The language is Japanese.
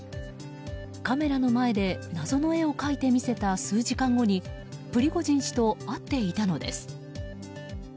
カメラの前で謎の絵を描いてみせた数時間後にプリゴジン氏と会っていたのです。